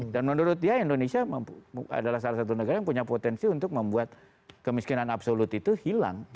dan menurut dia indonesia adalah salah satu negara yang punya potensi untuk membuat kemiskinan absolut itu hilang